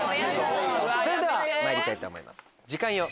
それではまいりたいと思います。